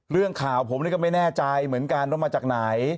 เรื่องข่าวผมนี่ก็ไม่แน่ใจเหมือนกันว่ามาจากไหน